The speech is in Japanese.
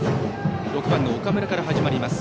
６番の岡村から始まります。